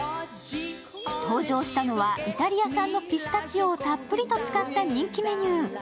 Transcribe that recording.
登場したのはイタリア産のピスタチオをたっぷりと使った人気メニュー。